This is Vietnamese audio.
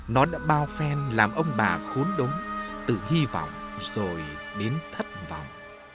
nó đã bao phen làm ông bà khốn đốm từ hy vọng rồi đến thất vọng